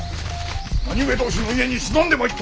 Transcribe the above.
何故同心の家に忍んでまいった？